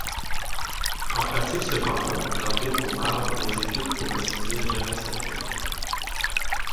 En pratique cependant, l'arbitre au marbre n'exécute pour ainsi dire jamais cette règle.